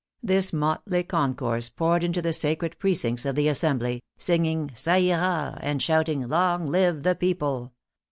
This motley concourse poured into the sacred precincts of the Assembly, singing Qa ira, and shouting, " Long live the people